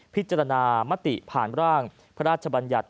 พิจารณามติผ่านร่างพระราชบัญญัติ